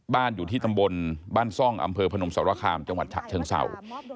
อยู่ที่ตำบลบ้านซ่องอำเภอพนมสรคามจังหวัดฉะเชิงเศร้า